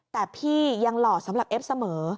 แต่พี่ยังหล่อสำหรับเอฟเสมอ